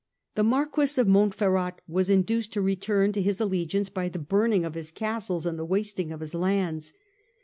The Marquess of Montferrat was induced to return to his allegiance by the burning of his castles and the wasting of his lands.